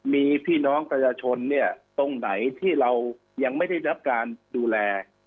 มีพี่น้องประชาชนเนี่ยตรงไหนที่เรายังไม่ได้รับการดูแล